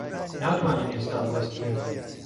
ناتوانین ئێستا بوەستین.